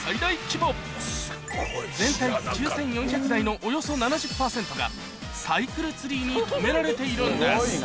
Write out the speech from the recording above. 全体９４００台のおよそ７０％がサイクルツリーに止められているんです・